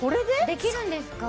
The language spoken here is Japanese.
できるんですか？